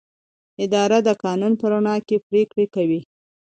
اداره د قانون په رڼا کې پریکړې کوي.